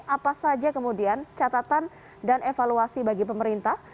apa saja kemudian catatan dan evaluasi bagi pemerintah